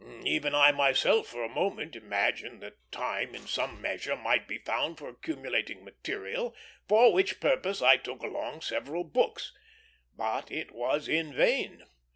Even I myself for a moment imagined that time in some measure might be found for accumulating material, for which purpose I took along several books; but it was in vain.